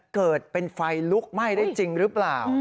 เกิดเป็นไฟลุกไหม้ได้จริงหรือเปล่า